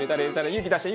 勇気出して！